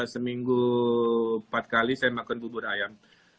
seminggu empat kali saya makan bubur ayam